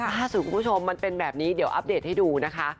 คุณผู้ชมมันเป็นแบบนี้เดี๋ยวอัปเดตให้ดูนะคะ